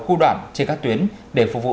khu đoạn trên các tuyến để phục vụ